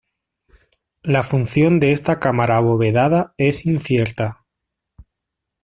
La función de esta cámara abovedada es incierta.